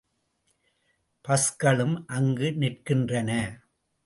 பஸ்களும் அங்கு நிற்கின்றன.